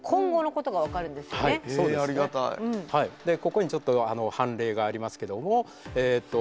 ここにちょっと凡例がありますけどもえっと